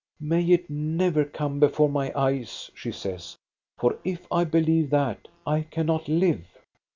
"May it never come before my eyes," she says, " for if I believe that, I cannot live."